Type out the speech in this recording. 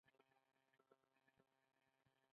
ماشومان فکر کوي دوی ته د کار په بدل کې مزد ورکول کېږي.